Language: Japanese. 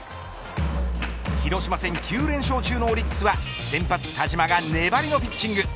広島戦９連勝中のオリックスは先発田嶋が粘りのピッチング。